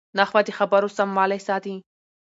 نحوه د خبرو سموالی ساتي.